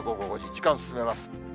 時間進めます。